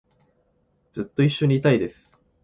ずっと一緒にいたいです